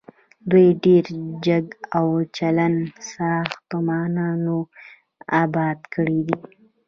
دوی ډیر جګ او پلن ساختمانونه اباد کړي دي.